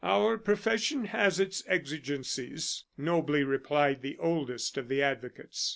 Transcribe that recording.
"Our profession has its exigencies," nobly replied the oldest of the advocates.